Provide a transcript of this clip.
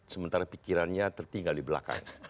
sementara pikirannya tertinggal di belakang